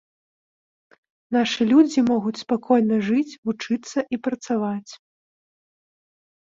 Нашы людзі могуць спакойна жыць, вучыцца і працаваць.